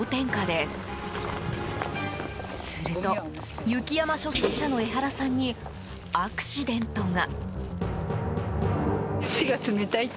すると、雪山初心者の江原さんにアクシデントが。